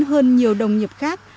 hơn nhiều đồng nghiệp khác